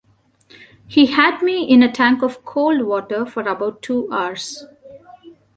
He had me in a tank of cold water for about two hours.